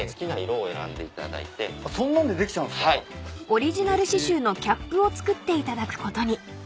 ［オリジナル刺しゅうのキャップを作っていただくことに］